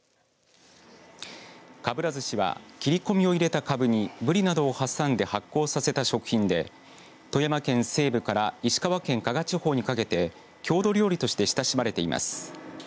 かぶらずしは切り込みを入れたかぶにぶりなどを挟んで発酵させた食品で富山県西部から石川県加賀地方にかけて郷土料理として親しまれています。